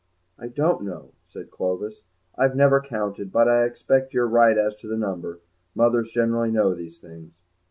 "I don't know," said Clovis, "I've never counted, but I expect you're right as to the number; mothers generally know these things."